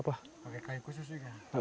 pakai kayu khusus juga